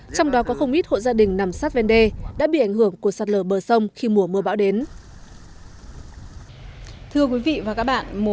trong đó có không ít hộ gia đình nằm sát ven đê đã bị ảnh hưởng của sạt lở bờ sông khi mùa mưa bão đến